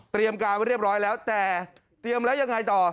การไว้เรียบร้อยแล้วแต่เตรียมแล้วยังไงต่อ